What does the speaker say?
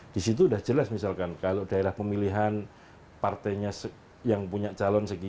disitu sudah jelas misalkan kalau daerah pemilihan partenya yang punya calon sekian